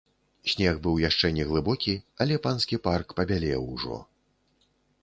Снег быў яшчэ не глыбокі, але панскі парк пабялеў ужо.